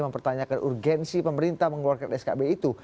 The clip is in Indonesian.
mempertanyakan urgensi pemerintah mengeluarkan skb itu